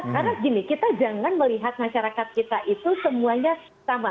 karena gini kita jangan melihat masyarakat kita itu semuanya sama